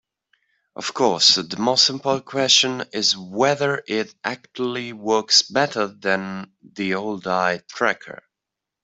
Of course, the most important question is whether it actually works better than the old eye tracker.